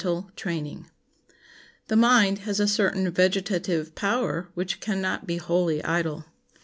] The mind has a certain vegetative power which can not be wholly idle.